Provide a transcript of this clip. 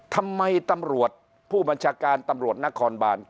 ตำรวจผู้บัญชาการตำรวจนครบาน